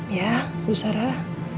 ya bu sarah